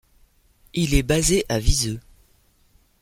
Il est basé à Viseu.